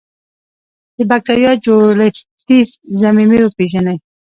د بکټریا جوړښتي ضمیمې وپیژني.